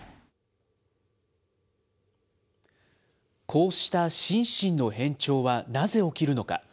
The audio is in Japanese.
こうした心身の変調は、なぜ起きるのか。